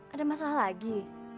ada masalah lagi